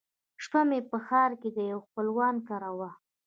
شپه مې په ښار کښې د يوه خپلوان کره وه.